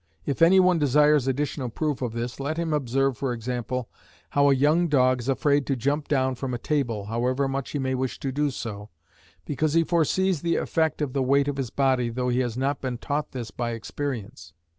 If any one desires additional proof of this, let him observe, for example, how a young dog is afraid to jump down from a table, however much he may wish to do so, because he foresees the effect of the weight of his body, though he has not been taught this by experience.